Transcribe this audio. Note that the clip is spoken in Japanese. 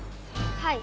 はい。